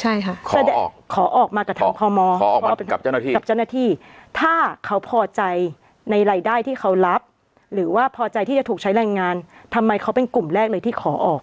ใช่ค่ะขอออกมากับพมกับเจ้าหน้าที่ถ้าเขาพอใจในรายได้ที่เขารับหรือว่าพอใจที่จะถูกใช้แรงงานทำไมเขาเป็นกลุ่มแรกเลยที่ขอออก